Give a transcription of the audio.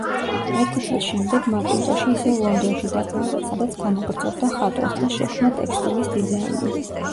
ერთი წლის შემდეგ მაკინტოში ისევ ლონდონში დაბრუნდა, სადაც განაგრძობდა ხატვას და შექმნა ტექსტილის დიზაინი.